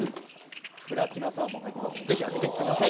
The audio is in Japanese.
プラチナサーモン入っていますので、ぜひ開けてください。